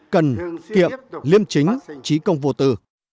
cần kiệm liêm chính trí công vô tử